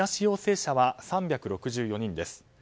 陽性者は３６４人です。